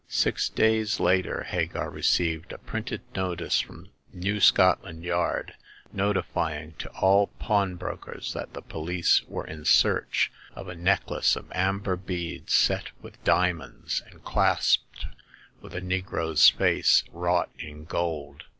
Six days later Hagar received a printed notice from New Scotland Yard, notifying to all pawn brokers that the police were in search of a neck lace of amber beads set with diamonds, and clasped with a negro's face wrought in gold.